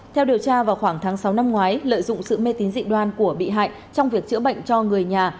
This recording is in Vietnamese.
theo điều tra vào khoảng tháng sáu năm ngoái lợi dụng sự mê tín dị đoan của bị hại trong việc chữa bệnh cho người nhà